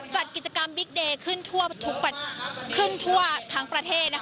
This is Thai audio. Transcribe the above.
จัดกิจกรรมบิ๊กเดย์ขึ้นทั่วทั้งประเทศ